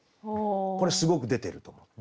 これすごく出てると思って。